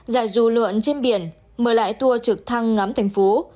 dạy du lượn trên biển mở lại tour trực thăng ngắm thành phố